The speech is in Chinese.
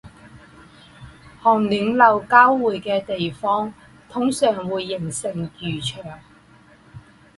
寒暖流交汇的地区通常会形成渔场